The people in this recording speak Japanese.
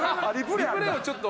リプレイをちょっと。